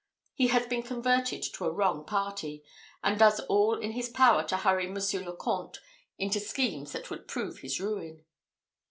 He has been converted to a wrong party, and does all in his power to hurry Monsieur le Comte into schemes that would prove his ruin."